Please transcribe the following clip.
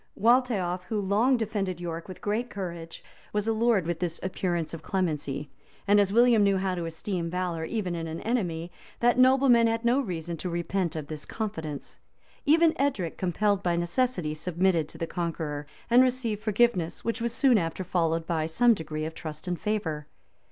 Waltheof, who long defended York with great courage, was allured with this appearance of clemency; and as William knew how to esteem valor, even in an enemy, that nobleman had no reason to repent of this confidence.[] Even Edric, compelled by necessity, submitted to the conqueror, and received forgiveness, which was soon after followed by some degree of trust and favor.